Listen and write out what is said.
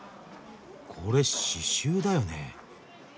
これ刺しゅうだよね？